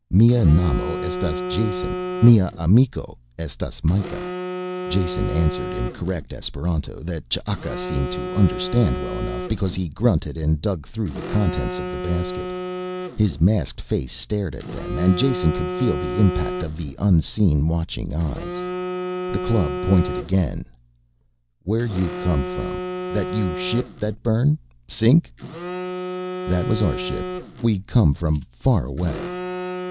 "Mia namo estas Jason, mia amiko estas Mikah." Jason answered in correct Esperanto that Ch'aka seemed to understand well enough, because he grunted and dug through the contents of the basket. His masked face stared at them and Jason could feel the impact of the unseen watching eyes. The club pointed again. "Where you come from? That you ship that burn, sink?" "That was our ship. We come from far away."